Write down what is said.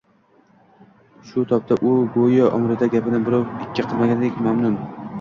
Shu tobda u go‘yo umrida gapini birov ikki qilmagandek mamnun